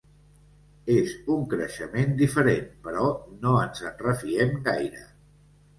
És un creixement diferent, però no ens en refiem gaire.